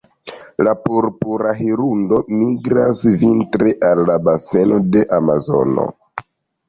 La Purpura hirundo migras vintre al la baseno de Amazono.